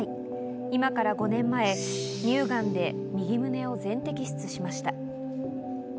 今から５年前、乳がんで右胸を全摘出しました。